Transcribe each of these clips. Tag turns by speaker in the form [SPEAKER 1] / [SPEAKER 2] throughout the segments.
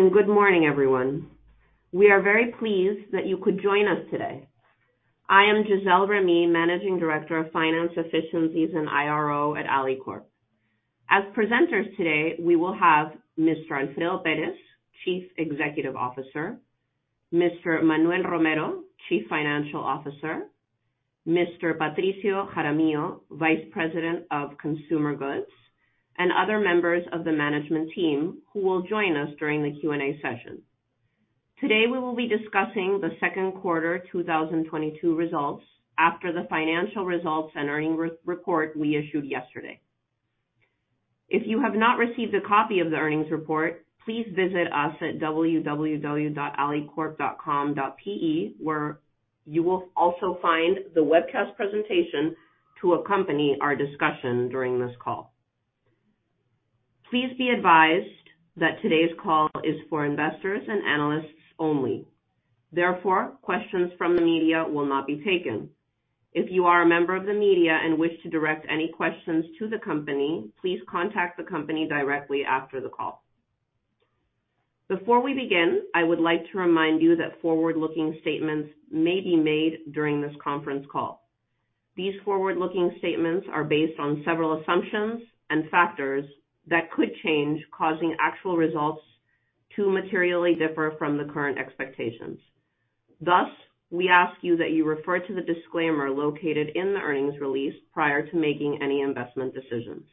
[SPEAKER 1] Thank you, and good morning, everyone. We are very pleased that you could join us today. I am Gisele Remy, Managing Director of Finance Efficiencies and IRO at Alicorp. As presenters today, we will have Mr. Alfredo Pérez, Chief Executive Officer, Mr. Manuel Romero, Chief Financial Officer, Mr. Patricio Jaramillo, Vice President of Consumer Goods, and other members of the management team who will join us during the Q&A session. Today we will be discussing the Q2 2022 results after the financial results and earnings re-report we issued yesterday. If you have not received a copy of the earnings report, please visit us at www.alicorp.com.pe, where you will also find the webcast presentation to accompany our discussion during this call. Please be advised that today's call is for investors and analysts only. Therefore, questions from the media will not be taken. If you are a member of the media and wish to direct any questions to the company, please contact the company directly after the call. Before we begin, I would like to remind you that forward-looking statements may be made during this conference call. These forward-looking statements are based on several assumptions and factors that could change, causing actual results to materially differ from the current expectations. Thus, we ask you that you refer to the disclaimer located in the earnings release prior to making any investment decisions.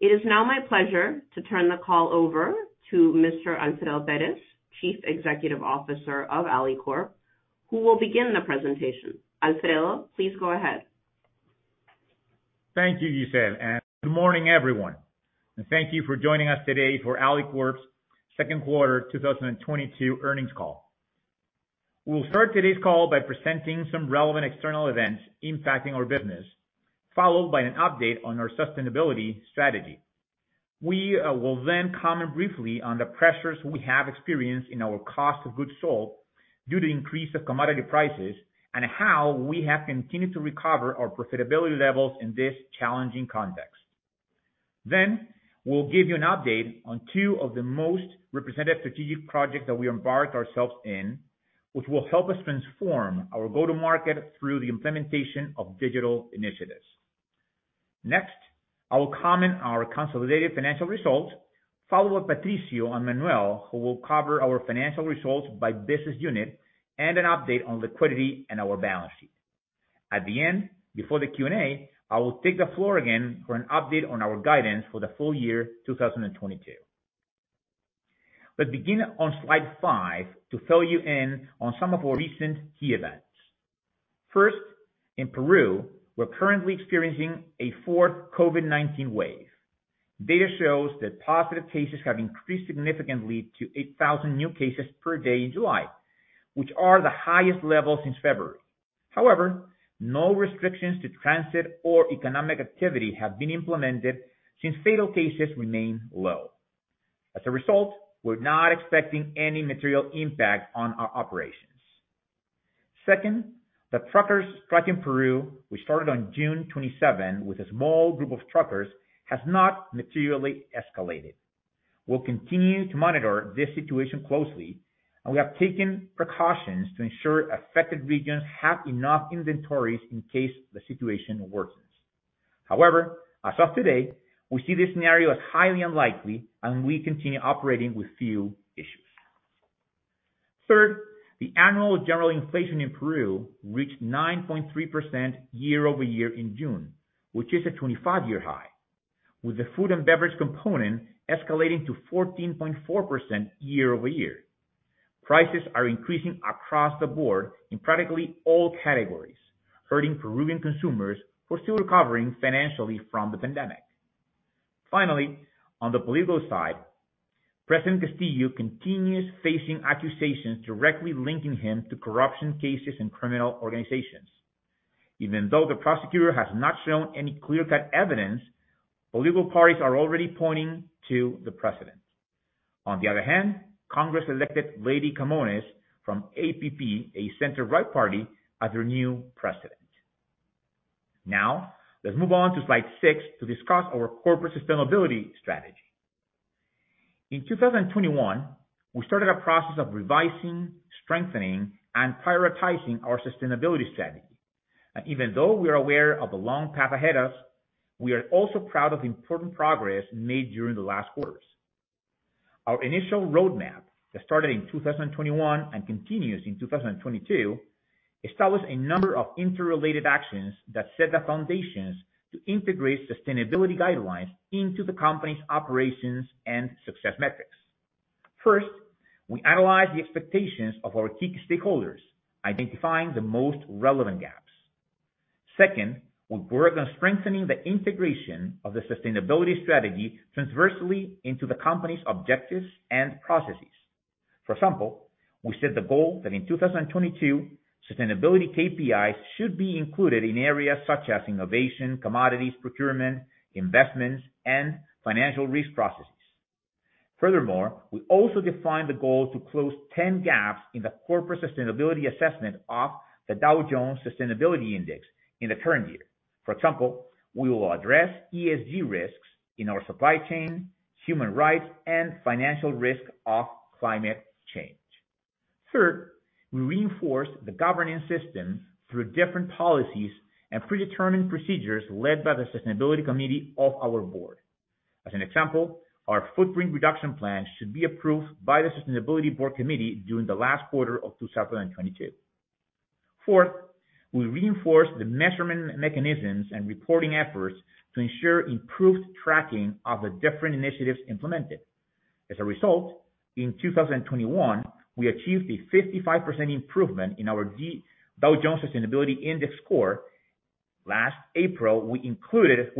[SPEAKER 1] It is now my pleasure to turn the call over to Mr. Alfredo Pérez, Chief Executive Officer of Alicorp, who will begin the presentation. Alfredo, please go ahead.
[SPEAKER 2] Thank you, Gisele, and good morning, everyone. Thank you for joining us today for Alicorp's Q2 2022 earnings call. We'll start today's call by presenting some relevant external events impacting our business, followed by an update on our sustainability strategy. We will then comment briefly on the pressures we have experienced in our cost of goods sold due to increase of commodity prices and how we have continued to recover our profitability levels in this challenging context. We'll give you an update on two of the most representative strategic projects that we embarked ourselves in, which will help us transform our go-to market through the implementation of digital initiatives. Next, I will comment our consolidated financial results, followed by Patricio and Manuel, who will cover our financial results by business unit and an update on liquidity and our balance sheet. At the end, before the Q&A, I will take the floor again for an update on our guidance for the full year 2022. Let's begin on slide five to fill you in on some of our recent key events. First, in Peru, we're currently experiencing a 4th COVID-19 wave. Data shows that positive cases have increased significantly to 8,000 new cases per day in July, which are the highest levels since February. However, no restrictions to transit or economic activity have been implemented since fatal cases remain low. As a result, we're not expecting any material impact on our operations. Second, the truckers strike in Peru, which started on June 27 with a small group of truckers, has not materially escalated. We'll continue to monitor this situation closely, and we have taken precautions to ensure affected regions have enough inventories in case the situation worsens. However, as of today, we see this scenario as highly unlikely, and we continue operating with few issues. Third, the annual general inflation in Peru reached 9.3% year-over-year in June, which is a 25-year high, with the food and beverage component escalating to 14.4% year-over-year. Prices are increasing across the board in practically all categories, hurting Peruvian consumers who are still recovering financially from the pandemic. Finally, on the political side, President Castillo continues facing accusations directly linking him to corruption cases and criminal organizations. Even though the prosecutor has not shown any clear-cut evidence, political parties are already pointing to the president. On the other hand, Congress elected Lady Camones from APP, a center-right party, as their new president. Now, let's move on to slide six to discuss our corporate sustainability strategy. In 2021, we started a process of revising, strengthening, and prioritizing our sustainability strategy. Even though we are aware of the long path ahead of us, we are also proud of the important progress made during the last quarters. Our initial roadmap that started in 2021 and continues in 2022, established a number of interrelated actions that set the foundations to integrate sustainability guidelines into the company's operations and success metrics. First, we analyzed the expectations of our key stakeholders, identifying the most relevant gaps. Second, we worked on strengthening the integration of the sustainability strategy transversely into the company's objectives and processes. For example, we set the goal that in 2022, sustainability KPIs should be included in areas such as innovation, commodities, procurement, investments, and financial risk processes. Furthermore, we also defined the goal to close 10 gaps in the corporate sustainability assessment of the Dow Jones Sustainability Index in the current year. For example, we will address ESG risks in our supply chain, human rights, and financial risk of climate change. Third, we reinforce the governing system through different policies and predetermined procedures led by the sustainability committee of our board. As an example, our footprint reduction plan should be approved by the sustainability board committee during the last quarter of 2022. Fourth, we reinforce the measurement mechanisms and reporting efforts to ensure improved tracking of the different initiatives implemented. As a result, in 2021, we achieved a 55% improvement in our Dow Jones Sustainability Index score. Last April, well,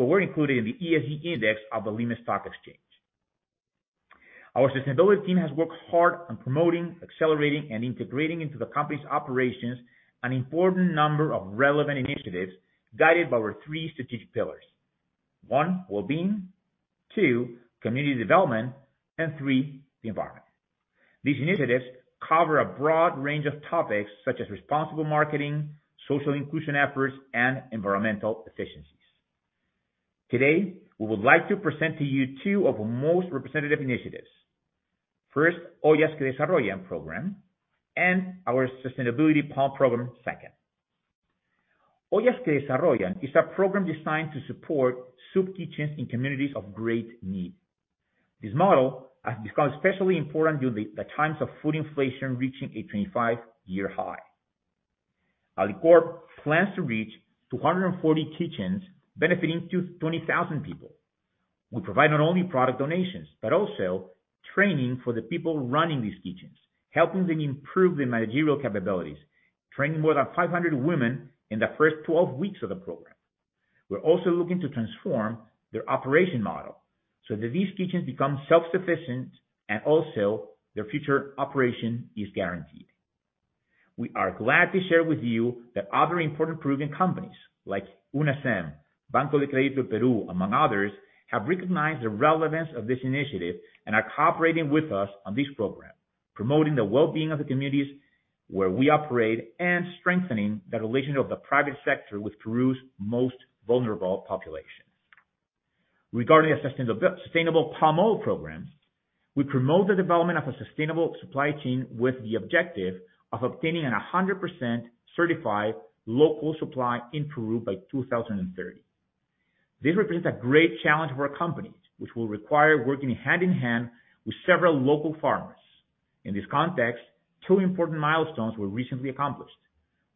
[SPEAKER 2] we're included in the ESG Index of the Lima Stock Exchange. Our sustainability team has worked hard on promoting, accelerating, and integrating into the company's operations an important number of relevant initiatives guided by our three strategic pillars. One, well-being, two, community development, and three, the environment. These initiatives cover a broad range of topics such as responsible marketing, social inclusion efforts, and environmental efficiencies. Today, we would like to present to you two of our most representative initiatives. First, Ollas que Desarrollan program, and our Sustainability Palm Oil program second. Ollas que Desarrollan is a program designed to support soup kitchens in communities of great need. This model has become especially important during the times of food inflation reaching a 25-year high. Alicorp plans to reach 240 kitchens benefiting 20,000 people. We provide not only product donations, but also training for the people running these kitchens, helping them improve their managerial capabilities, training more than 500 women in the first 12 weeks of the program. We're also looking to transform their operation model so that these kitchens become self-sufficient and also their future operation is guaranteed. We are glad to share with you that other important Peruvian companies like UNACEM, Banco de Crédito del Perú, among others, have recognized the relevance of this initiative and are cooperating with us on this program, promoting the well-being of the communities where we operate and strengthening the relation of the private sector with Peru's most vulnerable population. Regarding the sustainable palm oil program, we promote the development of a sustainable supply chain with the objective of obtaining 100% certified local supply in Peru by 2030. This represents a great challenge for our company, which will require working hand in hand with several local farmers. In this context, two important milestones were recently accomplished.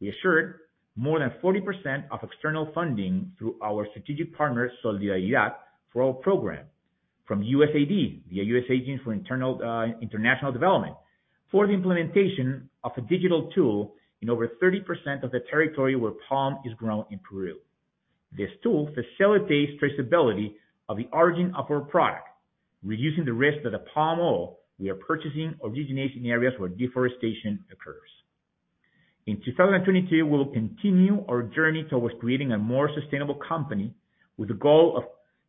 [SPEAKER 2] We assured more than 40% of external funding through our strategic partner, Solidaridad, for our program from USAID, the United States Agency for International Development, for the implementation of a digital tool in over 30% of the territory where palm is grown in Peru. This tool facilitates traceability of the origin of our product, reducing the risk that the palm oil we are purchasing originates in areas where deforestation occurs. In 2022, we'll continue our journey towards creating a more sustainable company with the goal of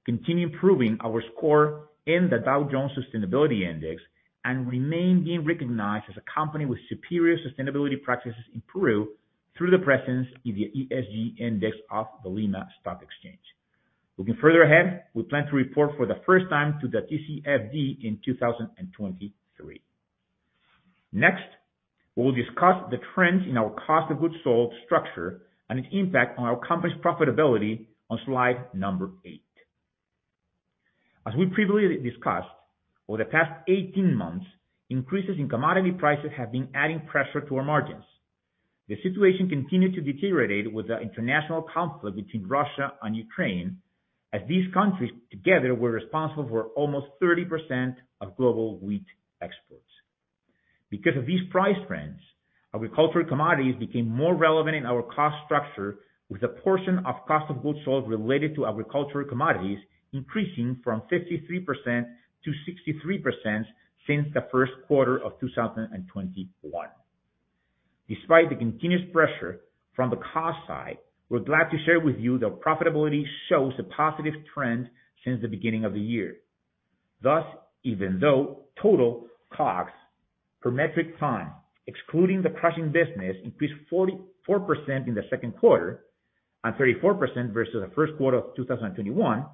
[SPEAKER 2] continue improving our score in the Dow Jones Sustainability Index and remain being recognized as a company with superior sustainability practices in Peru through the presence in the ESG Index of the Lima Stock Exchange. Looking further ahead, we plan to report for the first time to the TCFD in 2023. Next, we will discuss the trends in our cost of goods sold structure and its impact on our company's profitability on slide eight. As we previously discussed, over the past 18 months, increases in commodity prices have been adding pressure to our margins. The situation continued to deteriorate with the international conflict between Russia and Ukraine, as these countries together were responsible for almost 30% of global wheat exports. Because of these price trends, agricultural commodities became more relevant in our cost structure with a portion of cost of goods sold related to agricultural commodities increasing from 53% to 63% since the Q1 of 2021. Despite the continuous pressure from the cost side, we're glad to share with you the profitability shows a positive trend since the beginning of the year. Thus, even though total COGS per metric ton, excluding the crushing business, increased 44% in the Q2 and 34% versus the Q1 of 2021,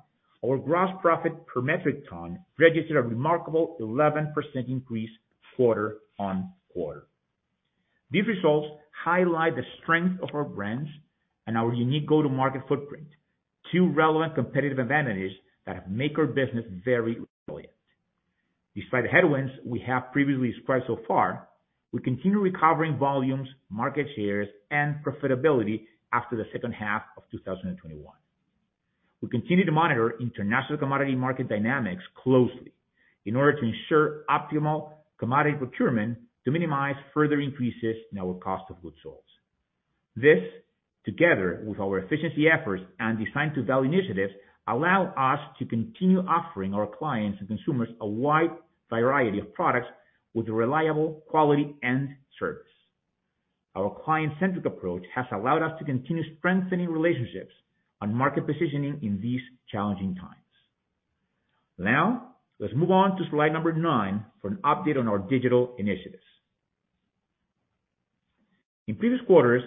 [SPEAKER 2] our gross profit per metric ton registered a remarkable 11% increase quarter-on-quarter. These results highlight the strength of our brands and our unique go-to-market footprint, two relevant competitive advantages that make our business very resilient. Despite the headwinds we have previously described so far, we continue recovering volumes, market shares, and profitability after the H2 of 2021. We continue to monitor international commodity market dynamics closely in order to ensure optimal commodity procurement to minimize further increases in our cost of goods sold. This, together with our efficiency efforts and Design to Value initiatives, allow us to continue offering our clients and consumers a wide variety of products with reliable quality and service. Our client-centric approach has allowed us to continue strengthening relationships and market positioning in these challenging times. Now, let's move on to slide number nine for an update on our digital initiatives. In previous quarters,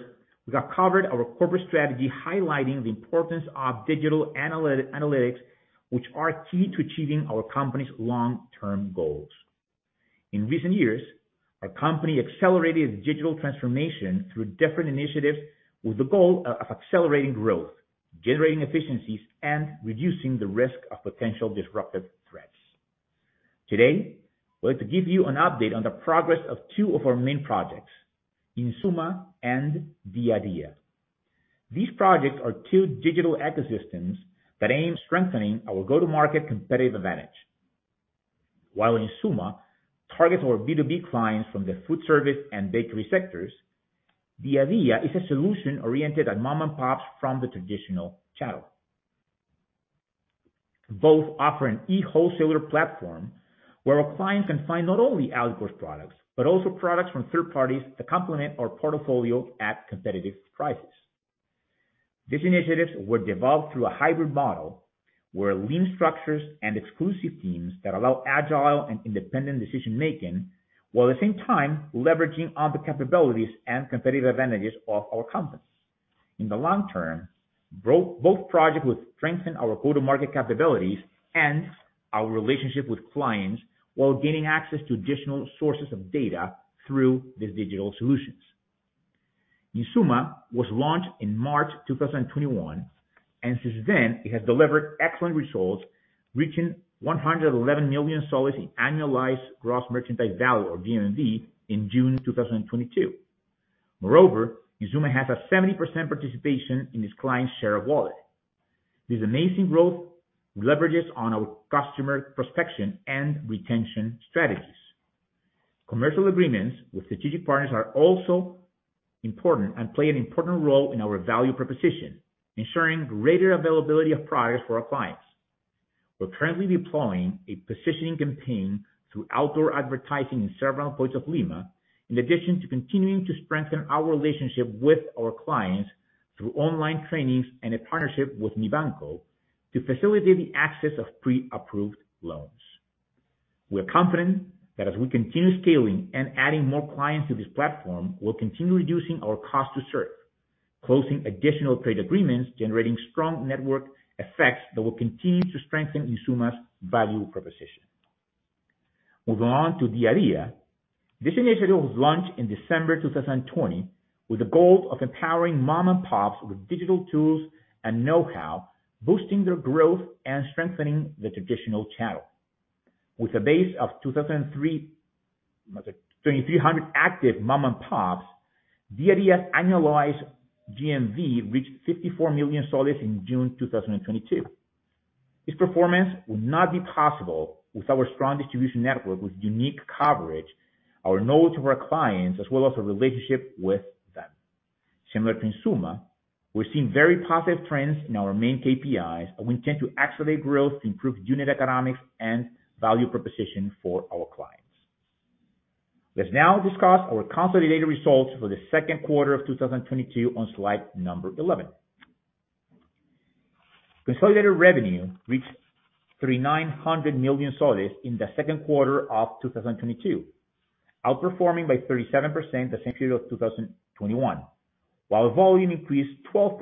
[SPEAKER 2] we have covered our corporate strategy highlighting the importance of digital analytics, which are key to achieving our company's long-term goals. In recent years, our company accelerated digital transformation through different initiatives with the goal of accelerating growth, generating efficiencies, and reducing the risk of potential disruptive threats. Today, we're going to give you an update on the progress of two of our main projects, Diadía. these projects are two digital ecosystems that aim to strengthen our go-to-market competitive advantage. While Insuma targets our B2B clients from the food service and Diadía is a solution oriented at mom-and-pops from the traditional channel. Both offer an e-wholesaler platform where our clients can find not only Alicorp products, but also products from third parties to complement our portfolio at competitive prices. These initiatives were developed through a hybrid model, where lean structures and exclusive teams that allow agile and independent decision-making, while at the same time leveraging on the capabilities and competitive advantages of our companies. In the long term, both projects will strengthen our go-to-market capabilities and our relationship with clients while gaining access to additional sources of data through these digital solutions. Insuma was launched in March 2021, and since then it has delivered excellent results, reaching PEN 111 million in annualized gross merchandise value or GMV in June 2022. Moreover, Insuma has a 70% participation in its client share of wallet. This amazing growth leverages on our customer prospection and retention strategies. Commercial agreements with strategic partners are also important and play an important role in our value proposition, ensuring greater availability of products for our clients. We're currently deploying a positioning campaign through outdoor advertising in several points of Lima, in addition to continuing to strengthen our relationship with our clients through online trainings and a partnership with Mibanco to facilitate the access of pre-approved loans. We are confident that as we continue scaling and adding more clients to this platform, we'll continue reducing our cost to serve, closing additional trade agreements, generating strong network effects that will continue to strengthen Insuma's value proposition. Moving Diadía. this initiative was launched in December 2020 with the goal of empowering mom-and-pops with digital tools and know-how, boosting their growth and strengthening the traditional channel. With a base of 2,300 Diadía's annualized gmv reached PEN 54 million in June 2022. This performance would not be possible without our strong distribution network with unique coverage, our knowledge of our clients, as well as our relationship with them. Similar to Insuma, we're seeing very positive trends in our main KPIs, and we intend to accelerate growth to improve unit economics and value proposition for our clients. Let's now discuss our consolidated results for the Q2 of 2022 on slide number 11. Consolidated revenue reached PEN 390 million in the Q2 of 2022, outperforming by 37% the same period of 2021. While volume increased 12%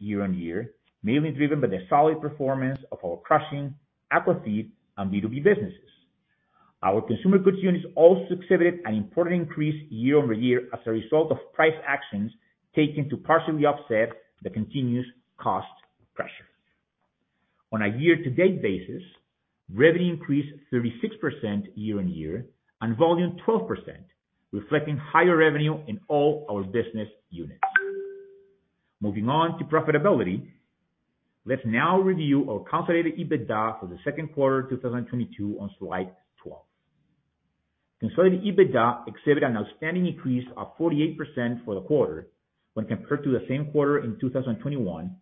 [SPEAKER 2] year-over-year, mainly driven by the solid performance of our crushing, aquafeed, and B2B businesses. Our consumer goods units also exhibited an important increase year-over-year as a result of price actions taken to partially offset the continuous cost pressure. On a year-to-date basis, revenue increased 36% year-on-year and volume 12%, reflecting higher revenue in all our business units. Moving on to profitability, let's now review our consolidated EBITDA for the Q2 2022 on slide 12. Consolidated EBITDA exhibited an outstanding increase of 48% for the quarter when compared to the same quarter in 2021,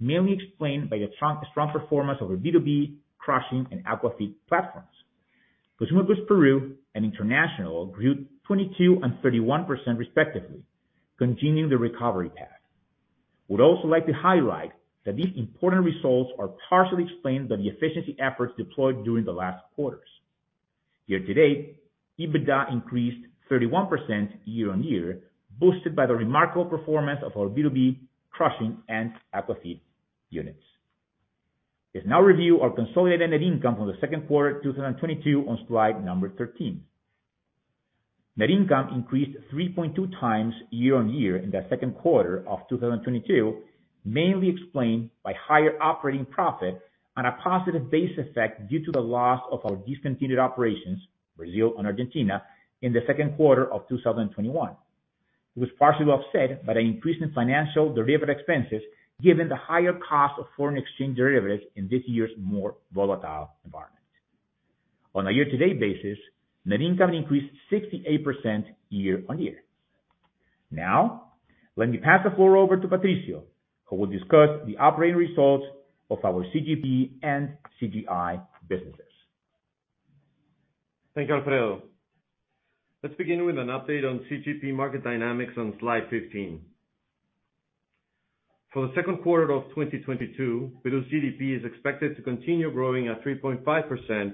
[SPEAKER 2] mainly explained by the strong performance of our B2B, crushing, and aquafeed platforms. Consumer Goods Peru and International grew 22% and 31% respectively, continuing the recovery path. We'd also like to highlight that these important results are partially explained by the efficiency efforts deployed during the last quarters. Year to date, EBITDA increased 31% year-on-year, boosted by the remarkable performance of our B2B, crushing, and aquafeed units. Let's now review our consolidated net income from the Q2 2022 on slide 13. Net income increased 3.2x year-on-year in the Q2 of 2022, mainly explained by higher operating profit on a positive base effect due to the loss of our discontinued operations, Brazil and Argentina, in the Q2 of 2021. It was partially offset by an increase in financial derivative expenses given the higher cost of foreign exchange derivatives in this year's more volatile environment. On a year-to-date basis, net income increased 68% year-on-year. Now, let me pass the floor over to Patricio, who will discuss the operating results of our CGP and CGI businesses.
[SPEAKER 3] Thank you, Alfredo. Let's begin with an update on CGP market dynamics on slide 15. For the Q2 of 2022, Peru's GDP is expected to continue growing at 3.5%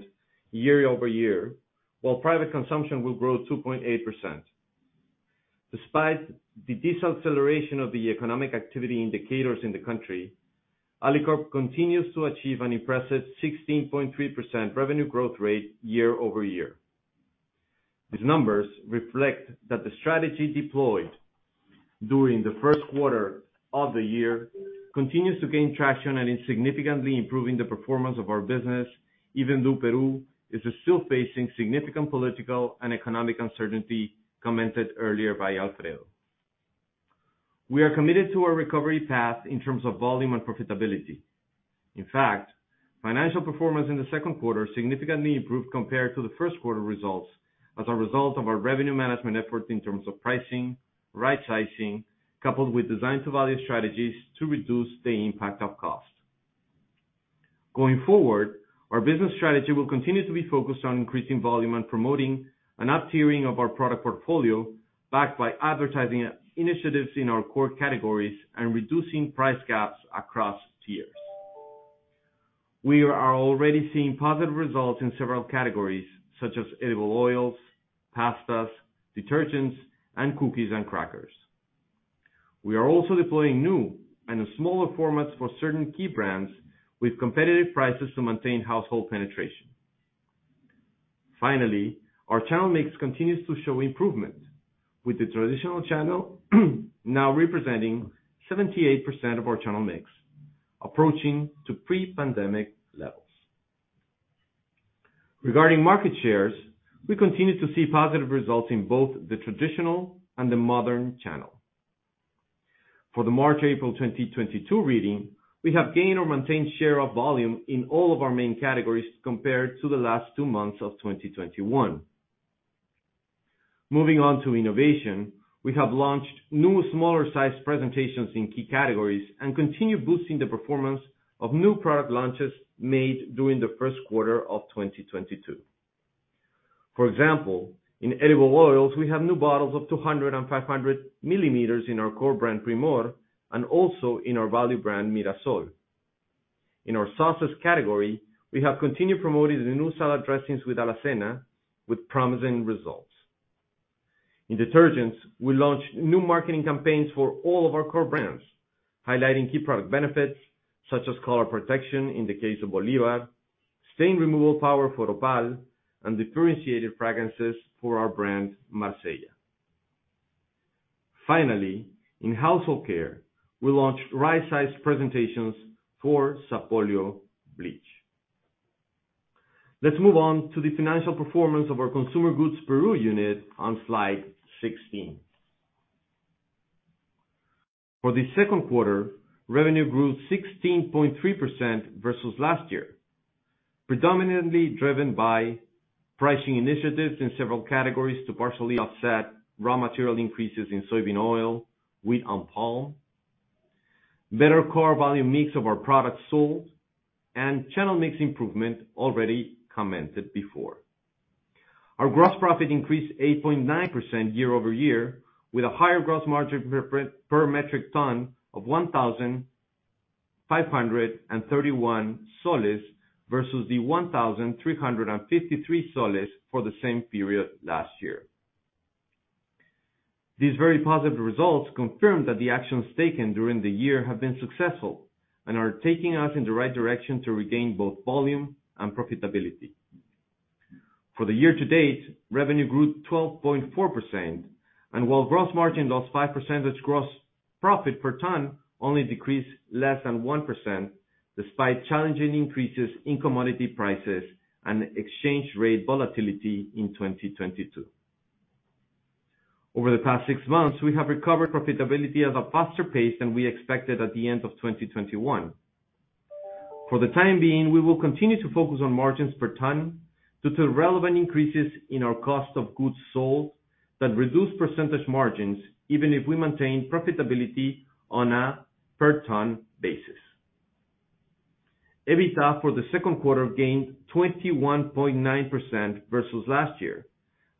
[SPEAKER 3] year-over-year, while private consumption will grow 2.8%. Despite the deceleration of the economic activity indicators in the country, Alicorp continues to achieve an impressive 16.3% revenue growth rate year-over-year. These numbers reflect that the strategy deployed during the Q1 of the year continues to gain traction and is significantly improving the performance of our business, even though Peru is still facing significant political and economic uncertainty commented earlier by Alfredo. We are committed to our recovery path in terms of volume and profitability. In fact, financial performance in the Q2 significantly improved compared to the Q1 results as a result of our revenue management efforts in terms of pricing, right sizing, coupled with Design-to-Value strategies to reduce the impact of cost. Going forward, our business strategy will continue to be focused on increasing volume and promoting an up-tiering of our product portfolio, backed by advertising initiatives in our core categories and reducing price gaps across tiers. We are already seeing positive results in several categories such as edible oils, pastas, detergents, and cookies and crackers. We are also deploying new and smaller formats for certain key brands with competitive prices to maintain household penetration. Finally, our channel mix continues to show improvement, with the traditional channel now representing 78% of our channel mix, approaching to pre-pandemic levels. Regarding market shares, we continue to see positive results in both the traditional and the modern channel. For the March-April 2022 reading, we have gained or maintained share of volume in all of our main categories compared to the last two months of 2021. Moving on to innovation, we have launched new smaller sized presentations in key categories and continue boosting the performance of new product launches made during the Q1 of 2022. For example, in edible oils, we have new bottles of 200 and 500 milliliters in our core brand Primor, and also in our value brand Mirasol. In our sauces category, we have continued promoting the new salad dressings with AlaCena with promising results. In detergents, we launched new marketing campaigns for all of our core brands, highlighting key product benefits such as color protection in the case of Bolívar, stain removal power for Opal, and differentiated fragrances for our brand Marsella. Finally, in household care, we launched right-sized presentations for Sapolio bleach. Let's move on to the financial performance of our consumer goods Peru unit on slide 16. For the Q2, revenue grew 16.3% versus last year, predominantly driven by pricing initiatives in several categories to partially offset raw material increases in soybean oil, wheat and palm, better core volume mix of our products sold, and channel mix improvement already commented before. Our gross profit increased 8.9% year-over-year, with a higher gross margin per metric ton of PEN 1,531 versus the PEN 1,353 for the same period last year. These very positive results confirm that the actions taken during the year have been successful and are taking us in the right direction to regain both volume and profitability. For the year to date, revenue grew 12.4%, and while gross margin lost 5% as gross profit per ton only decreased less than 1% despite challenging increases in commodity prices and exchange rate volatility in 2022. Over the past six months, we have recovered profitability at a faster pace than we expected at the end of 2021. For the time being, we will continue to focus on margins per ton due to relevant increases in our cost of goods sold that reduce percentage margins, even if we maintain profitability on a per ton basis. EBITDA for the Q2 gained 21.9% versus last year,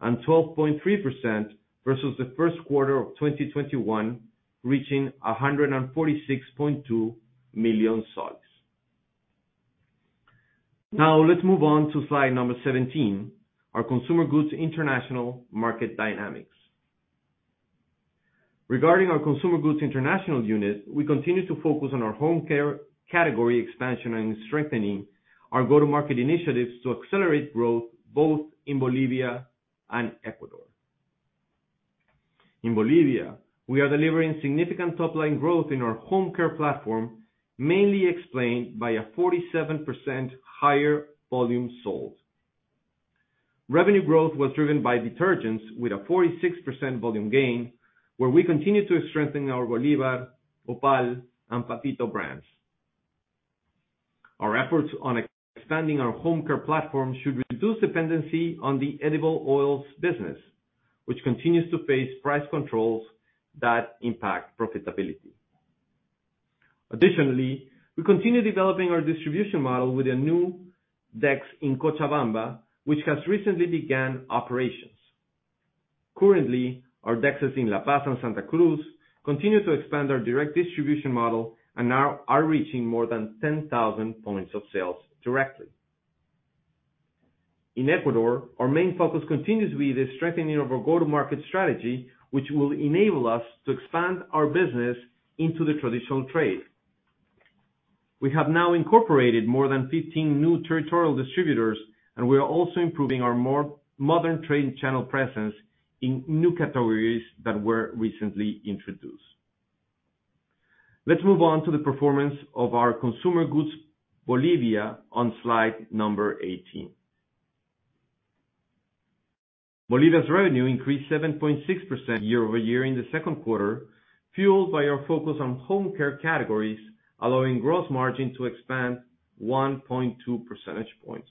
[SPEAKER 3] and 12.3% versus the Q1 of 2021, reaching PEN 146.2 million. Now let's move on to slide number 17, our consumer goods international market dynamics. Regarding our consumer goods international unit, we continue to focus on our home care category expansion and strengthening our go-to-market initiatives to accelerate growth both in Bolivia and Ecuador. In Bolivia, we are delivering significant top-line growth in our home care platform, mainly explained by a 47% higher volume sold. Revenue growth was driven by detergents with a 46% volume gain, where we continue to strengthen our Bolívar, Opal and Patito brands. Our efforts on expanding our home care platform should reduce dependency on the edible oils business, which continues to face price controls that impact profitability. We continue developing our distribution model with a new DEX in Cochabamba, which has recently began operations. Currently, our DEXes in La Paz and Santa Cruz continue to expand our direct distribution model and now are reaching more than 10,000 points of sales directly. In Ecuador, our main focus continues to be the strengthening of our go-to-market strategy, which will enable us to expand our business into the traditional trade. We have now incorporated more than 15 new territorial distributors, and we are also improving our more modern trade channel presence in new categories that were recently introduced. Let's move on to the performance of our consumer goods, Bolivia, on slide 18. Bolivia's revenue increased 7.6% year-over-year in the Q2, fueled by our focus on home care categories, allowing gross margin to expand 1.2 percentage points.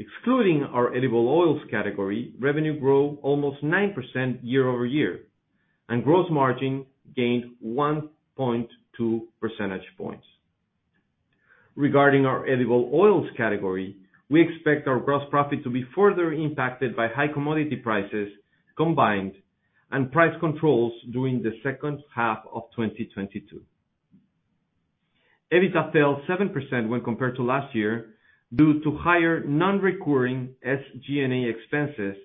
[SPEAKER 3] Excluding our edible oils category, revenue grew almost 9% year-over-year, and gross margin gained 1.2 percentage points. Regarding our edible oils category, we expect our gross profit to be further impacted by high commodity prices combined and price controls during the H2 of 2022. EBITDA fell 7% when compared to last year due to higher non-recurring SG&A expenses,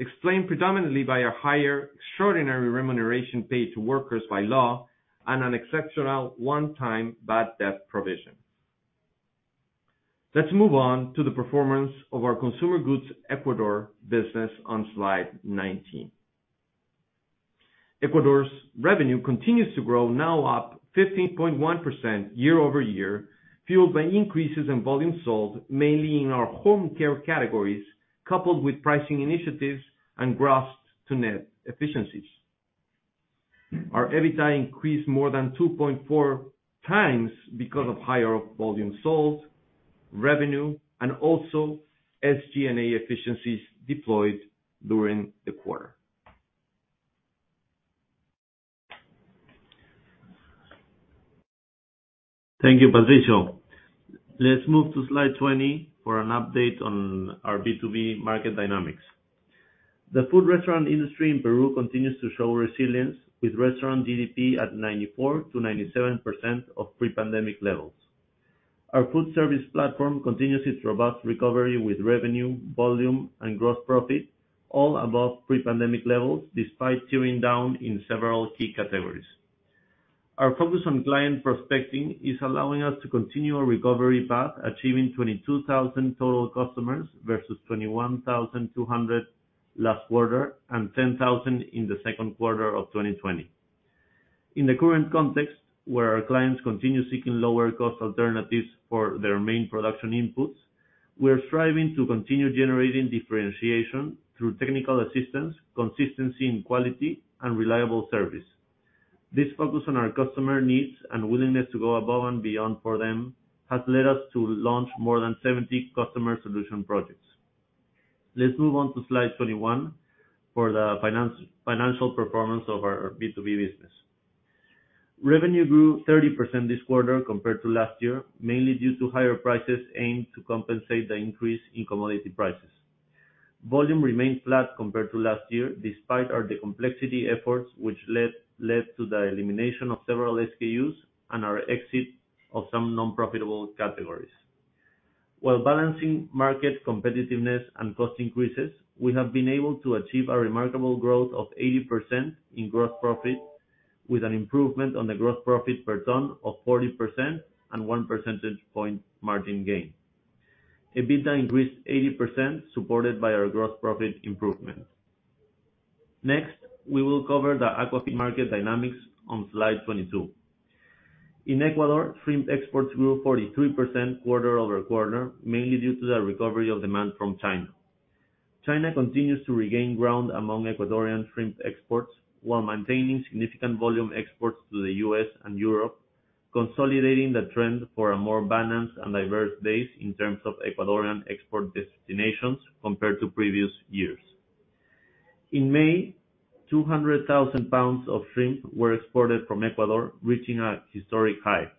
[SPEAKER 3] explained predominantly by a higher extraordinary remuneration paid to workers by law and an exceptional one-time bad debt provision. Let's move on to the performance of our consumer goods Ecuador business on slide 19. Ecuador's revenue continues to grow, now up 15.1% year-over-year, fueled by increases in volume sold mainly in our home care categories, coupled with pricing initiatives and gross to net efficiencies. Our EBITDA increased more than 2.4x because of higher volume sold, revenue, and also SG&A efficiencies deployed during the quarter.
[SPEAKER 4] Thank you, Patricio. Let's move to slide 20 for an update on our B2B market dynamics. The food restaurant industry in Peru continues to show resilience, with restaurant GDP at 94%-97% of pre-pandemic levels. Our food service platform continues its robust recovery with revenue, volume, and gross profit all above pre-pandemic levels, despite trending down in several key categories. Our focus on client prospecting is allowing us to continue our recovery path, achieving 22,000 total customers versus 21,200 last quarter and 10,000 in the Q2 of 2020. In the current context, where our clients continue seeking lower cost alternatives for their main production inputs, we are striving to continue generating differentiation through technical assistance, consistency in quality, and reliable service. This focus on our customer needs and willingness to go above and beyond for them has led us to launch more than 70 customer solution projects. Let's move on to slide 21 for the financial performance of our B2B business. Revenue grew 30% this quarter compared to last year, mainly due to higher prices aimed to compensate the increase in commodity prices. Volume remained flat compared to last year, despite our decomplexity efforts, which led to the elimination of several SKUs and our exit of some non-profitable categories. While balancing market competitiveness and cost increases, we have been able to achieve a remarkable growth of 80% in gross profit, with an improvement on the gross profit per ton of 40% and 1 percentage point margin gain. EBITDA increased 80%, supported by our gross profit improvement. Next, we will cover the aquafeed market dynamics on slide 22. In Ecuador, shrimp exports grew 43% quarter-over-quarter, mainly due to the recovery of demand from China. China continues to regain ground among Ecuadorian shrimp exports while maintaining significant volume exports to the US and Europe, consolidating the trend for a more balanced and diverse base in terms of Ecuadorian export destinations compared to previous years. In May, 200,000 pounds of shrimp were exported from Ecuador, reaching a historic high.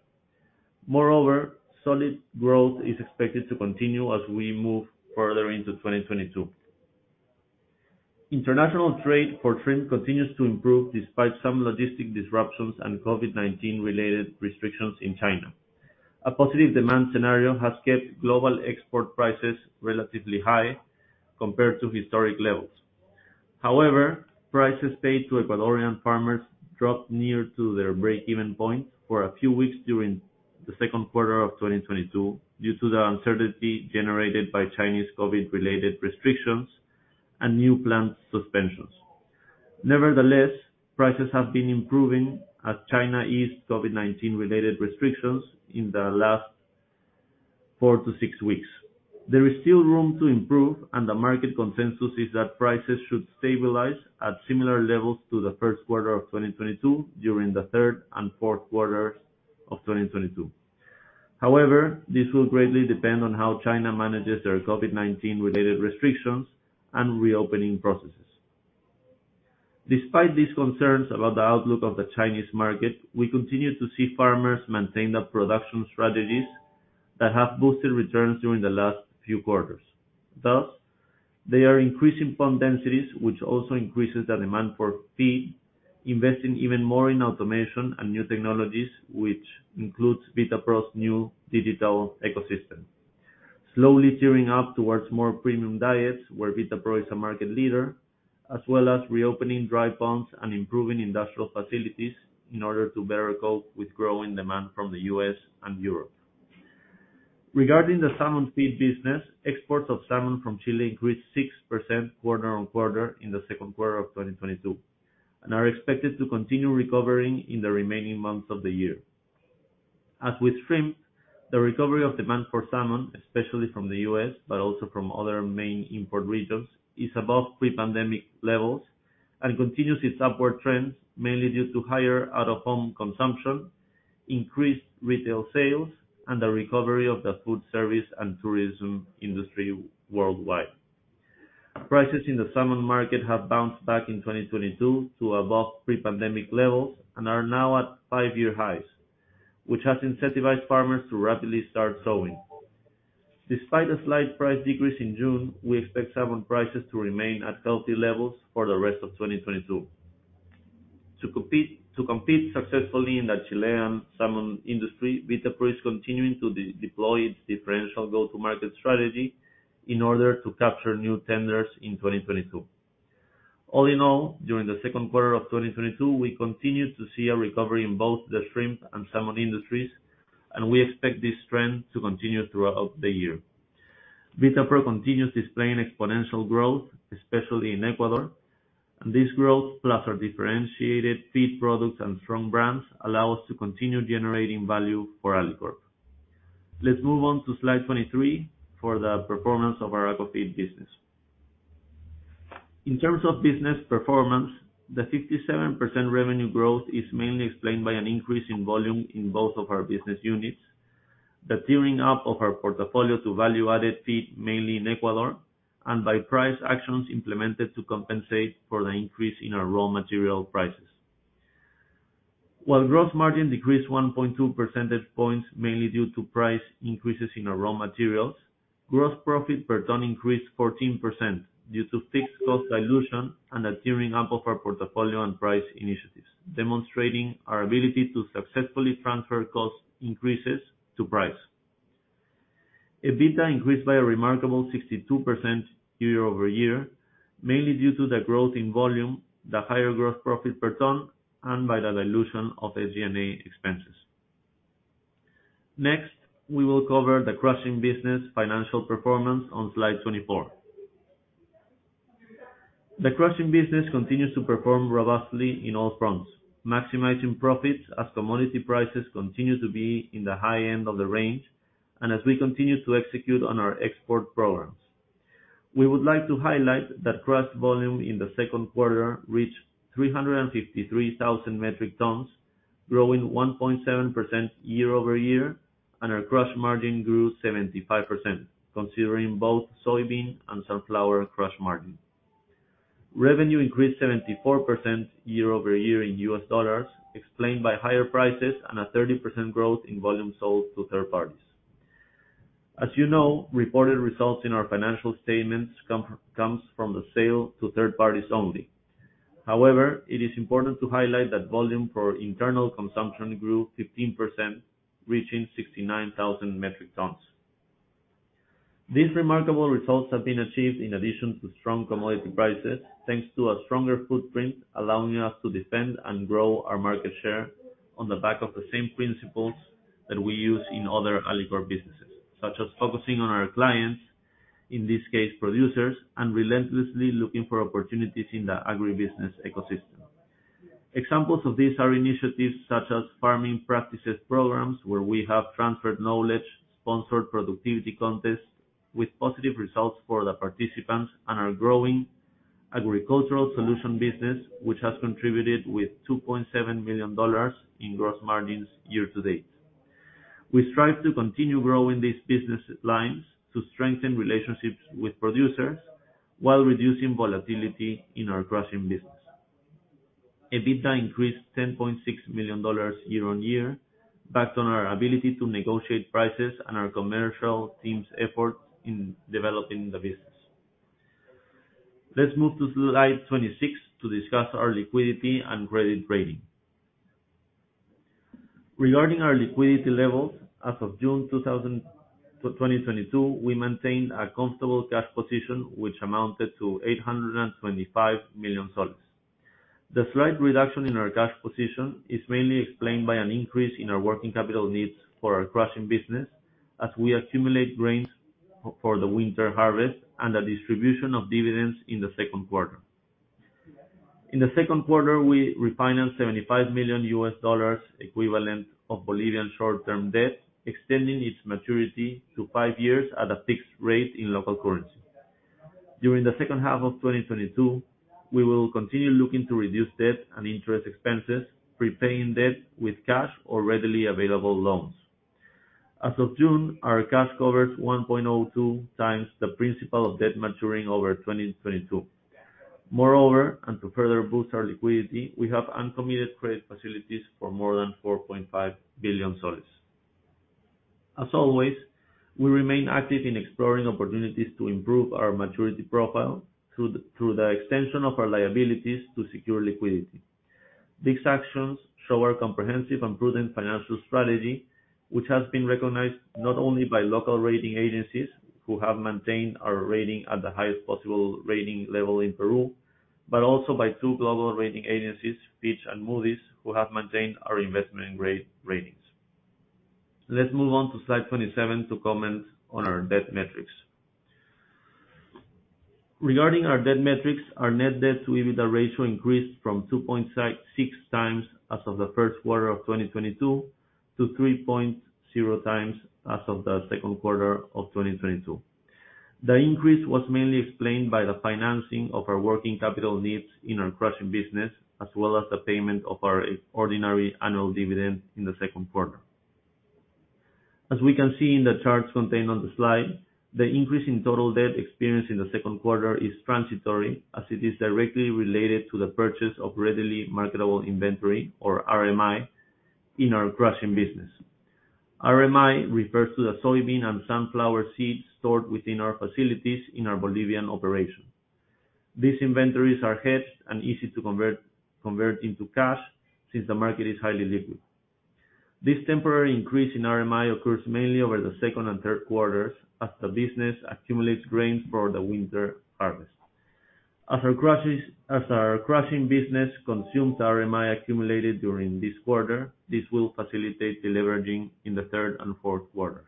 [SPEAKER 4] Moreover, solid growth is expected to continue as we move further into 2022. International trade for shrimp continues to improve despite some logistic disruptions and COVID-19 related restrictions in China. A positive demand scenario has kept global export prices relatively high compared to historic levels. However, prices paid to Ecuadorian farmers dropped near to their break-even point for a few weeks during the Q2 of 2022 due to the uncertainty generated by Chinese COVID-related restrictions and new plant suspensions. Nevertheless, prices have been improving as China eased COVID-19 related restrictions in the last four-six weeks. There is still room to improve, and the market consensus is that prices should stabilize at similar levels to the Q1 of 2022 during the third and Q4s of 2022. However, this will greatly depend on how China manages their COVID-19 related restrictions and reopening processes. Despite these concerns about the outlook of the Chinese market, we continue to see farmers maintain the production strategies that have boosted returns during the last few quarters. Thus, they are increasing pond densities, which also increases the demand for feed, investing even more in automation and new technologies, which includes Vitapro's new digital ecosystem, slowly gearing up towards more premium diets where Vitapro is a market leader, as well as reopening dry ponds and improving industrial facilities in order to better cope with growing demand from the US and Europe. Regarding the salmon feed business, exports of salmon from Chile increased 6% quarter-on-quarter in the Q2 of 2022, and are expected to continue recovering in the remaining months of the year. As with shrimp, the recovery of demand for salmon, especially from the US, but also from other main import regions, is above pre-pandemic levels and continues its upward trends, mainly due to higher out-of-home consumption, increased retail sales, and the recovery of the food service and tourism industry worldwide. Prices in the salmon market have bounced back in 2022 to above pre-pandemic levels and are now at five-year highs, which has incentivized farmers to rapidly start sowing. Despite a slight price decrease in June, we expect salmon prices to remain at healthy levels for the rest of 2022. To compete successfully in the Chilean salmon industry, Vitapro is continuing to deploy its differentiated go-to-market strategy in order to capture new tenders in 2022. All in all, during the Q2 of 2022, we continue to see a recovery in both the shrimp and salmon industries, and we expect this trend to continue throughout the year. Vitapro continues displaying exponential growth, especially in Ecuador, and this growth, plus our differentiated feed products and strong brands, allow us to continue generating value for Alicorp. Let's move on to slide 23 for the performance of our aquafeed business. In terms of business performance, the 57% revenue growth is mainly explained by an increase in volume in both of our business units, the gearing up of our portfolio to value-added feed mainly in Ecuador, and by price actions implemented to compensate for the increase in our raw material prices. While gross margin decreased 1.2 percentage points mainly due to price increases in our raw materials, gross profit per ton increased 14% due to fixed cost dilution and the gearing up of our portfolio and price initiatives, demonstrating our ability to successfully transfer cost increases to price. EBITDA increased by a remarkable 62% year-over-year, mainly due to the growth in volume, the higher gross profit per ton, and by the dilution of SG&A expenses. Next, we will cover the crushing business financial performance on slide 24. The crushing business continues to perform robustly in all fronts, maximizing profits as commodity prices continue to be in the high end of the range, and as we continue to execute on our export programs. We would like to highlight that crushed volume in the Q2 reached 353,000 metric tons, growing 1.7% year-over-year, and our crush margin grew 75%, considering both soybean and sunflower crush margin. Revenue increased 74% year-over-year in US dollars, explained by higher prices and a 30% growth in volume sold to third parties. As you know, reported results in our financial statements comes from the sale to third parties only. However, it is important to highlight that volume for internal consumption grew 15%, reaching 69,000 metric tons. These remarkable results have been achieved in addition to strong commodity prices, thanks to a stronger footprint, allowing us to defend and grow our market share on the back of the same principles that we use in other Alicorp businesses, such as focusing on our clients, in this case, producers, and relentlessly looking for opportunities in the agribusiness ecosystem. Examples of these are initiatives such as farming practices programs, where we have transferred knowledge, sponsored productivity contests with positive results for the participants, and our growing agricultural solution business, which has contributed with $2.7 million in gross margins year to date. We strive to continue growing these business lines to strengthen relationships with producers while reducing volatility in our crushing business. EBITDA increased $10.6 million year-on-year, backed by our ability to negotiate prices and our commercial team's efforts in developing the business. Let's move to slide 26 to discuss our liquidity and credit rating. Regarding our liquidity levels, as of June 2022, we maintained a comfortable cash position, which amounted to PEN 825 million. The slight reduction in our cash position is mainly explained by an increase in our working capital needs for our crushing business, as we accumulate grains for the winter harvest and the distribution of dividends in the Q2. In the Q2, we refinanced $75 million equivalent of Bolivian short-term debt, extending its maturity to five years at a fixed rate in local currency. During the H2 of 2022, we will continue looking to reduce debt and interest expenses, prepaying debt with cash or readily available loans. As of June, our cash covers 1.02x the principal of debt maturing over 2022. Moreover, and to further boost our liquidity, we have uncommitted credit facilities for more than PEN 4.5 billion. As always, we remain active in exploring opportunities to improve our maturity profile through the extension of our liabilities to secure liquidity. These actions show our comprehensive and prudent financial strategy, which has been recognized not only by local rating agencies who have maintained our rating at the highest possible rating level in Peru, but also by two global rating agencies, Fitch and Moody's, who have maintained our investment-grade ratings. Let's move on to slide 27 to comment on our debt metrics. Regarding our debt metrics, our net debt to EBITDA ratio increased from 2.6x as of the Q1 of 2022 to 3.0x as of the Q2 of 2022. The increase was mainly explained by the financing of our working capital needs in our crushing business, as well as the payment of our ordinary annual dividend in the Q2. As we can see in the charts contained on the slide, the increase in total debt experienced in the Q2 is transitory, as it is directly related to the purchase of readily marketable inventory or RMI in our crushing business. RMI refers to the soybean and sunflower seeds stored within our facilities in our Bolivian operation. These inventories are hedged and easy to convert into cash since the market is highly liquid. This temporary increase in RMI occurs mainly over the second and third quarters as the business accumulates grains for the winter harvest. As our crushing business consumes RMI accumulated during this quarter, this will facilitate deleveraging in the third and Q4s.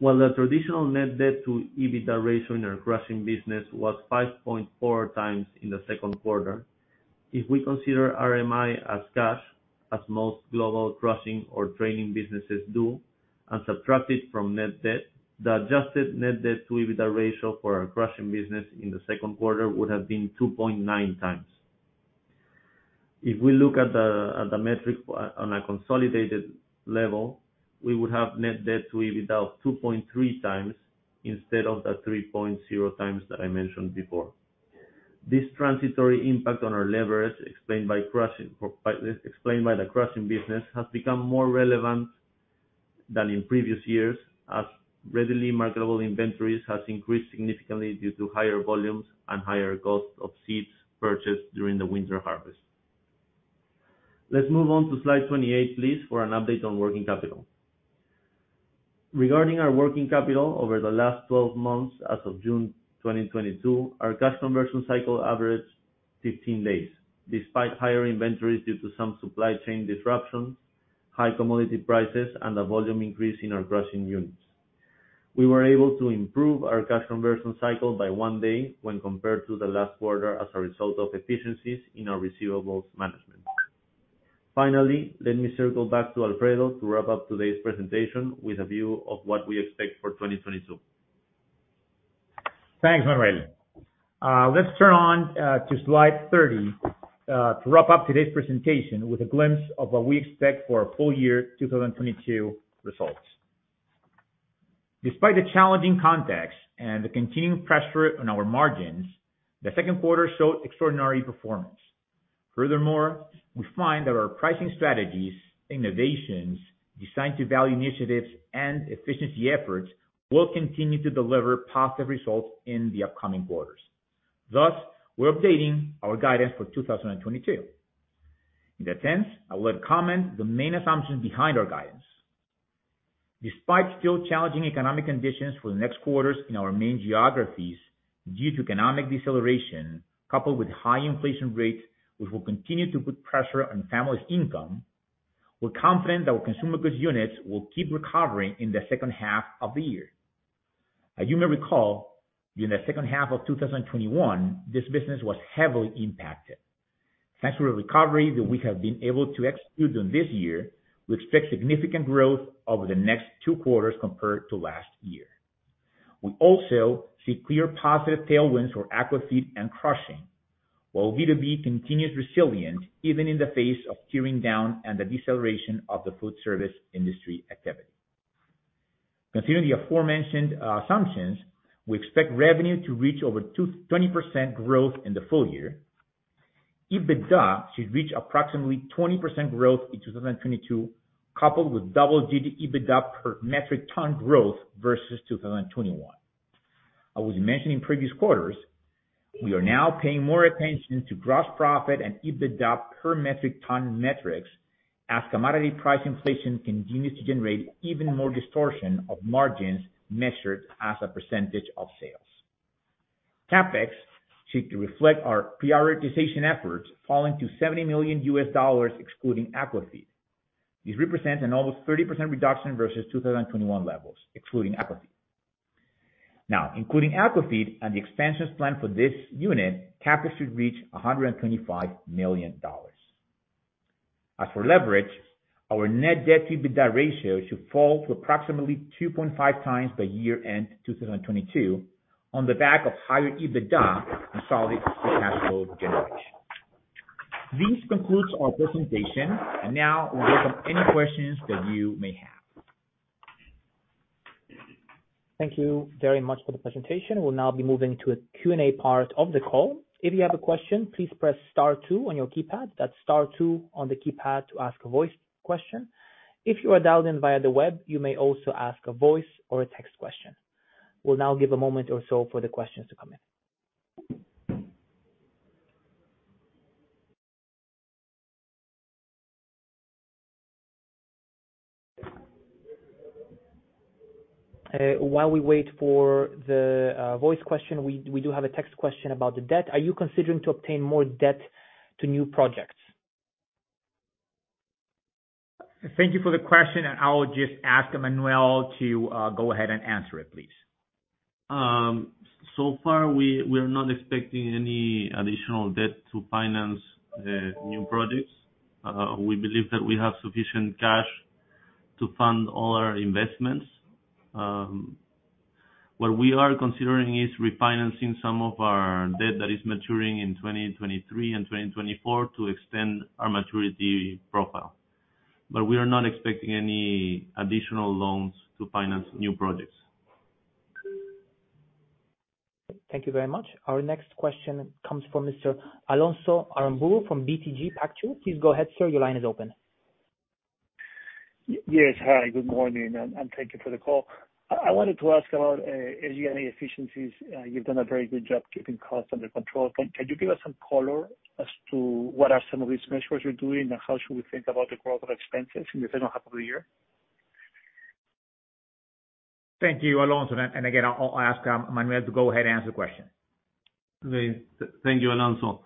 [SPEAKER 4] While the traditional net debt to EBITDA ratio in our crushing business was 5.4x in the Q2, if we consider RMI as cash, as most global crushing or trading businesses do, and subtract it from net debt, the adjusted net debt to EBITDA ratio for our crushing business in the Q2 would have been 2.9x. If we look at the metric on a consolidated level, we would have net debt to EBITDA of 2.3x instead of the 3.0x that I mentioned before. This transitory impact on our leverage, explained by the crushing business, has become more relevant than in previous years, as readily marketable inventories has increased significantly due to higher volumes and higher costs of seeds purchased during the winter harvest. Let's move on to slide 28, please, for an update on working capital. Regarding our working capital over the last 12 months as of June 2022, our cash conversion cycle averaged 15 days, despite higher inventories due to some supply chain disruptions, high commodity prices, and the volume increase in our crushing units. We were able to improve our cash conversion cycle by one day when compared to the last quarter as a result of efficiencies in our receivables management. Finally, let me circle back to Alfredo to wrap up today's presentation with a view of what we expect for 2022.
[SPEAKER 2] Thanks, Manuel. Let's turn to slide 30 to wrap up today's presentation with a glimpse of what we expect for our full-year 2022 results. Despite the challenging context and the continuing pressure on our margins, the Q2 showed extraordinary performance. Furthermore, we find that our pricing strategies, innovations, Design-to-Value initiatives, and efficiency efforts will continue to deliver positive results in the upcoming quarters. Thus, we're updating our guidance for 2022. In that sense, I would comment the main assumptions behind our guidance. Despite still challenging economic conditions for the next quarters in our main geographies due to economic deceleration, coupled with high inflation rates, which will continue to put pressure on families' income, we're confident that our consumer goods units will keep recovering in the H2 of the year. As you may recall, during the H2 of 2021, this business was heavily impacted. Thanks to the recovery that we have been able to execute on this year, we expect significant growth over the next two quarters compared to last year. We also see clear positive tailwinds for aquafeed and crushing, while B2B continues resilient, even in the face of during the downturn and the deceleration of the food service industry activity. Considering the aforementioned assumptions, we expect revenue to reach over 20% growth in the full year. EBITDA should reach approximately 20% growth in 2022, coupled with double-digit EBITDA per metric ton growth versus 2021. I was mentioning previous quarters, we are now paying more attention to gross profit and EBITDA per metric ton metrics as commodity price inflation continues to generate even more distortion of margins measured as a percentage of sales. CapEx seeks to reflect our prioritization efforts, falling to $70 million, excluding aquafeed. This represents an almost 30% reduction versus 2021 levels, excluding aquafeed. Now, including aquafeed and the expansions planned for this unit, CapEx should reach $125 million. As for leverage, our net debt to EBITDA ratio should fall to approximately 2.5x by year-end 2022 on the back of higher EBITDA and solid free cash flow generation. This concludes our presentation. Now we welcome any questions that you may have.
[SPEAKER 5] Thank you very much for the presentation. We'll now be moving to a Q&A part of the call. If you have a question, please press star two on your keypad. That's star two on the keypad to ask a voice question. If you are dialed in via the web, you may also ask a voice or a text question. We'll now give a moment or so for the questions to come in. While we wait for the voice question, we do have a text question about the debt. Are you considering to obtain more debt to new projects?
[SPEAKER 2] Thank you for the question, and I'll just ask Manuel to go ahead and answer it, please.
[SPEAKER 4] So far, we're not expecting any additional debt to finance new projects. We believe that we have sufficient cash to fund all our investments. What we are considering is refinancing some of our debt that is maturing in 2023 and 2024 to extend our maturity profile. We are not expecting any additional loans to finance new projects.
[SPEAKER 5] Thank you very much. Our next question comes from Mr. Alonso Aramburú from BTG Pactual. Please go ahead, sir, your line is open.
[SPEAKER 6] Yes. Hi, good morning, and thank you for the call. I wanted to ask about SG&A efficiencies. You've done a very good job keeping costs under control. Can you give us some color as to what are some of these measures you're doing, and how should we think about the growth of expenses in the H2 of the year?
[SPEAKER 2] Thank you, Alonso. Again, I'll ask Manuel to go ahead and answer the question.
[SPEAKER 4] Okay. Thank you, Alonso.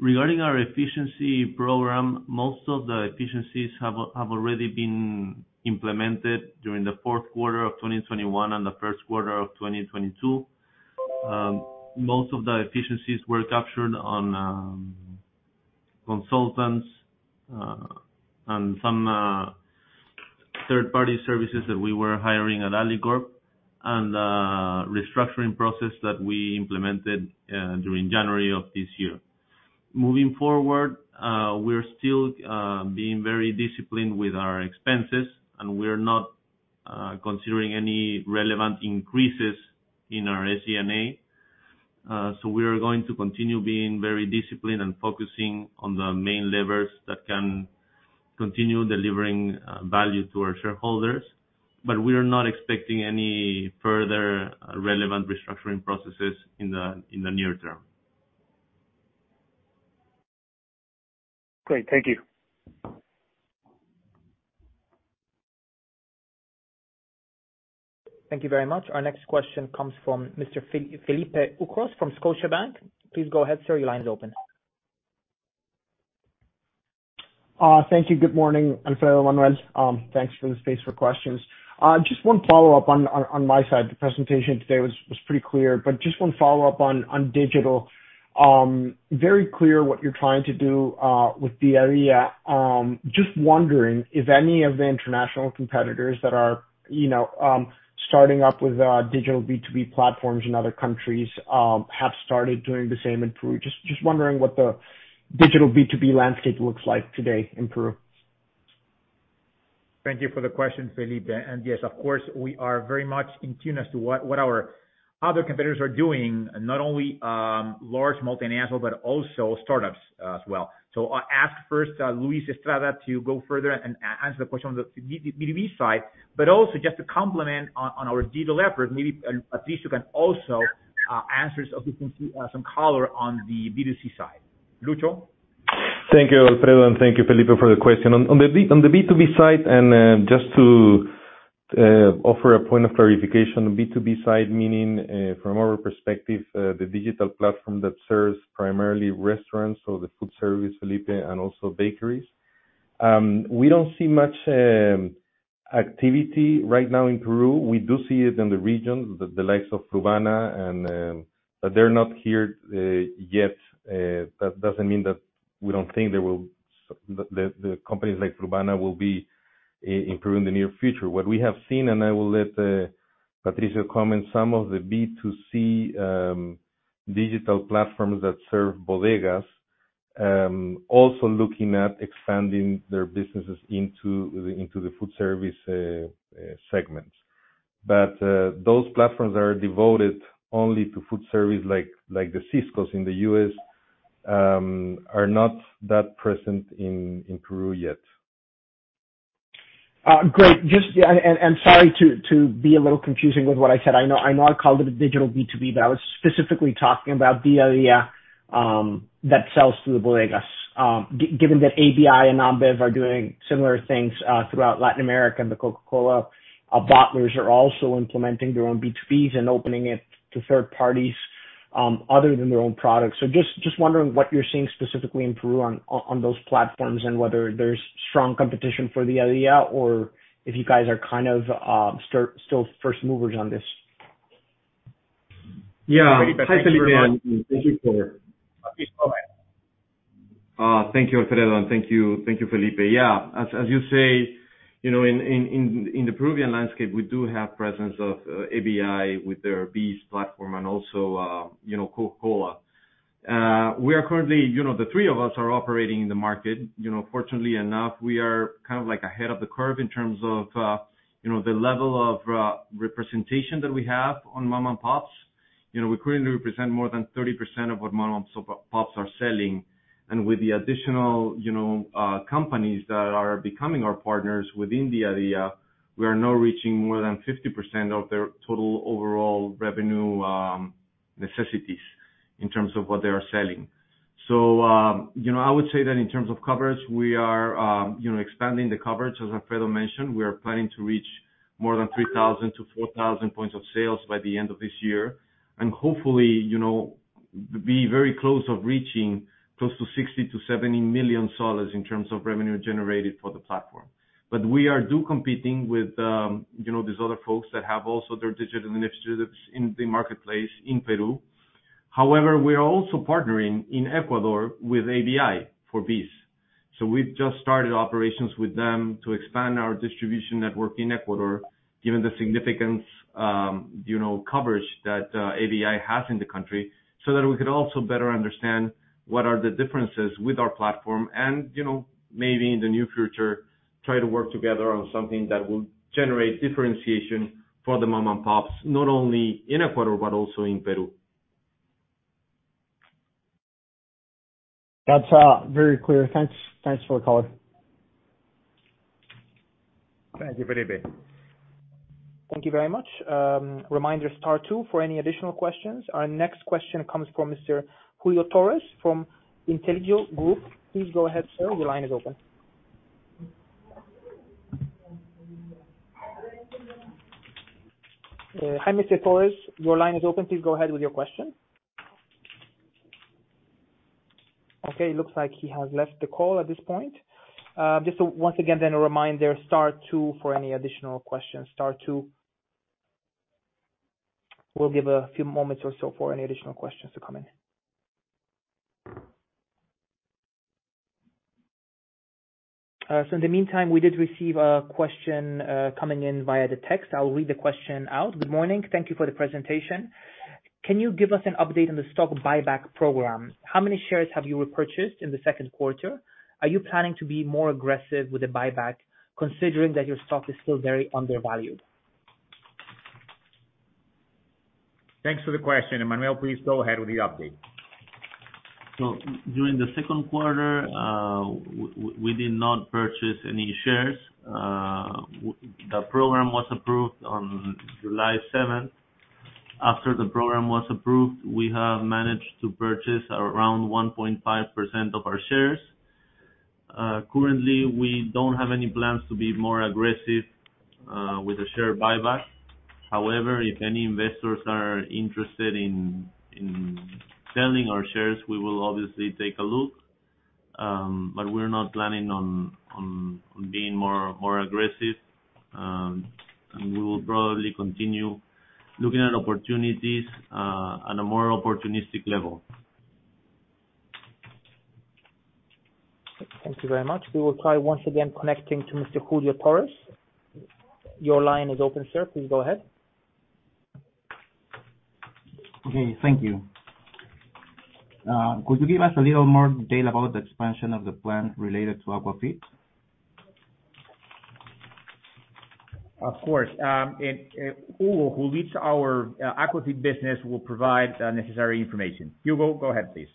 [SPEAKER 4] Regarding our efficiency program, most of the efficiencies have already been implemented during the Q4 of 2021 and the Q1 of 2022. Most of the efficiencies were captured on consultants and some third-party services that we were hiring at Alicorp, and restructuring process that we implemented during January of this year. Moving forward, we're still being very disciplined with our expenses, and we're not considering any relevant increases in our SG&A. We are going to continue being very disciplined and focusing on the main levers that can continue delivering value to our shareholders. We are not expecting any further relevant restructuring processes in the near term.
[SPEAKER 6] Great. Thank you.
[SPEAKER 5] Thank you very much. Our next question comes from Mr. Felipe Ucros from Scotiabank. Please go ahead, sir. Your line is open.
[SPEAKER 7] Thank you. Good morning, Alfredo, Manuel. Thanks for the space for questions. Just one follow-up on my side. The presentation today was pretty clear, but just one follow-up on digital. Very clear what you're trying to do with Diadía. Just wondering if any of the international competitors that are, you know, starting up with digital B2B platforms in other countries have started doing the same in Peru. Just wondering what the digital B2B landscape looks like today in Peru.
[SPEAKER 2] Thank you for the question, Felipe. Yes, of course, we are very much in tune as to what our other competitors are doing, not only large multinationals, but also startups as well. I'll ask first Luis Estrada to go further and answer the question on the B2B side, but also just to complement on our digital effort, maybe Patricio can also answer so we can see some color on the B2C side. Lucho?
[SPEAKER 8] Thank you, Alfredo, and thank you Felipe for the question. On the B2B side, just to offer a point of clarification, B2B side meaning, from our perspective, the digital platform that serves primarily restaurants, so the food service, Felipe, and also bakeries. We don't see much activity right now in Peru. We do see it in the region, the likes of Frubana, but they're not here yet. That doesn't mean that we don't think they will. The companies like Frubana will be in Peru in the near future. What we have seen, and I will let Patricio comment, some of the B2C digital platforms that serve bodegas also looking at expanding their businesses into the food service segment. Those platforms are devoted only to food service like the Sysco in the U.S., are not that present in Peru yet.
[SPEAKER 7] Great. Just yeah, and sorry to be a little confusing with what I said. I know I called it a digital B2B, but I was specifically talking about Diadía that sells to the bodegas. Given that ABI and Ambev are doing similar things throughout Latin America, and the Coca-Cola bottlers are also implementing their own B2Bs and opening it to third parties other than their own products. Just wondering what you're seeing specifically in Peru on those platforms and whether there's strong competition Diadía or if you guys are kind of still first movers on this.
[SPEAKER 2] Yeah.
[SPEAKER 8] Hi, Felipe.
[SPEAKER 2] Thank you for. Patricio, go ahead.
[SPEAKER 3] Thank you, Alfredo, and thank you, Felipe. Yeah. As you say, you know, in the Peruvian landscape, we do have presence of ABI with their BEES platform and also, you know, Coca-Cola. We are currently, you know, the three of us are operating in the market. You know, fortunately enough, we are kind of like ahead of the curve in terms of, you know, the level of representation that we have on mom-and-pops. You know, we currently represent more than 30% of what mom-and-pops are selling. With the additional, you know, companies that are becoming our partners within the area, we are now reaching more than 50% of their total overall revenue necessities in terms of what they are selling.
[SPEAKER 4] You know, I would say that in terms of coverage, we are, you know, expanding the coverage. As Alfredo mentioned, we are planning to reach more than 3,000-4,000 points of sales by the end of this year. Hopefully, you know, be very close to reaching close to $60 million-$70 million in terms of revenue generated for the platform. We are also competing with, you know, these other folks that have also their digital initiatives in the marketplace in Peru. However, we are also partnering in Ecuador with ABI for BEES. We've just started operations with them to expand our distribution network in Ecuador, given the significance, you know, coverage that ABI has in the country, so that we could also better understand what are the differences with our platform. You know, maybe in the near future, try to work together on something that will generate differentiation for the mom-and-pops, not only in Ecuador, but also in Peru.
[SPEAKER 7] That's very clear. Thanks. Thanks for the call.
[SPEAKER 2] Thank you, Felipe.
[SPEAKER 5] Thank you very much. Reminder, star two for any additional questions. Our next question comes from Mr. Julio Torres from Inteligo Group. Please go ahead, sir. Your line is open. Hi, Mr. Torres. Your line is open. Please go ahead with your question. Okay, looks like he has left the call at this point. Just once again then a reminder, star two for any additional questions. Star two. We'll give a few moments or so for any additional questions to come in. In the meantime, we did receive a question coming in via the text. I will read the question out. Good morning. Thank you for the presentation. Can you give us an update on the stock buyback program? How many shares have you repurchased in the Q2?Are you planning to be more aggressive with the buyback, considering that your stock is still very undervalued?
[SPEAKER 2] Thanks for the question. Manuel, please go ahead with the update.
[SPEAKER 4] During the Q2, we did not purchase any shares. The program was approved on July 7. After the program was approved, we have managed to purchase around 1.5% of our shares. Currently, we don't have any plans to be more aggressive with the share buyback. However, if any investors are interested in selling our shares, we will obviously take a look. We're not planning on being more aggressive, and we will probably continue looking at opportunities on a more opportunistic level.
[SPEAKER 5] Thank you very much. We will try once again connecting to Mr. Julio Torres. Your line is open, sir. Please go ahead.
[SPEAKER 9] Okay, thank you. Could you give us a little more detail about the expansion of the plan related to aquafeed?
[SPEAKER 2] Of course. Hugo, who leads our equity business, will provide the necessary information. Hugo, go ahead, please.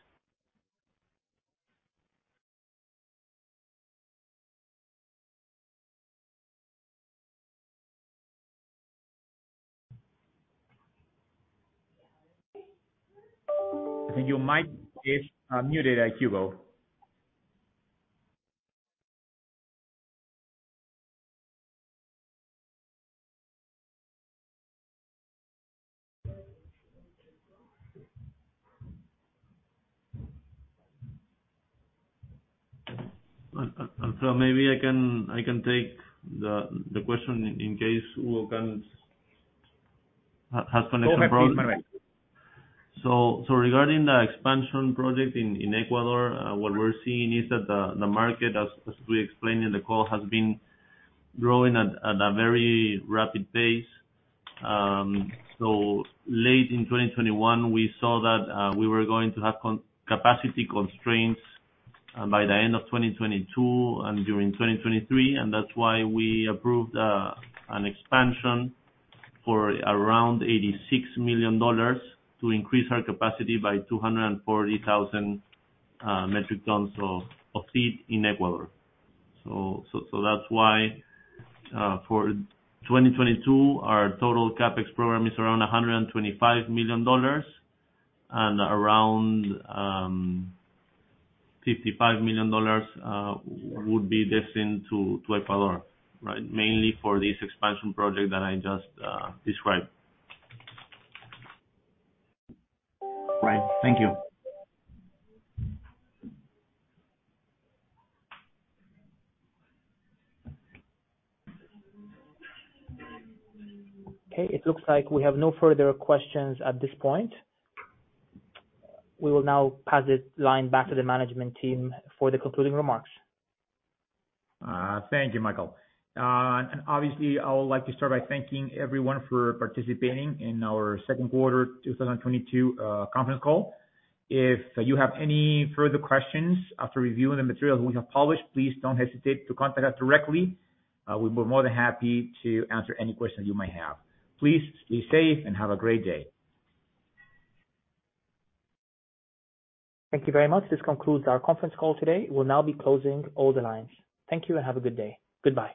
[SPEAKER 2] I think you might be muted, Hugo.
[SPEAKER 4] Maybe I can take the question in case Hugo has connection problems.
[SPEAKER 2] Go ahead, Manuel.
[SPEAKER 4] Regarding the expansion project in Ecuador, what we're seeing is that the market, as we explained in the call, has been growing at a very rapid pace. Late in 2021, we saw that we were going to have capacity constraints by the end of 2022 and during 2023, and that's why we approved an expansion for around $86 million to increase our capacity by 240,000 metric tons of feed in Ecuador. That's why, for 2022, our total CapEx program is around $125 million and around $55 million would be destined to Ecuador, right? Mainly for this expansion project that I just described.
[SPEAKER 9] Right. Thank you.
[SPEAKER 5] Okay, it looks like we have no further questions at this point. We will now pass this line back to the management team for the concluding remarks.
[SPEAKER 2] Thank you, Michael. Obviously, I would like to start by thanking everyone for participating in our Q2 2022 conference call. If you have any further questions after reviewing the materials we have published, please don't hesitate to contact us directly. We'll be more than happy to answer any questions you might have. Please be safe and have a great day.
[SPEAKER 5] Thank you very much. This concludes our conference call today. We'll now be closing all the lines. Thank you and have a good day. Goodbye.